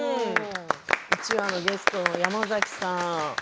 １話のゲスト、山崎さん